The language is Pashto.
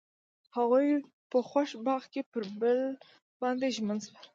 هغوی په خوښ باغ کې پر بل باندې ژمن شول.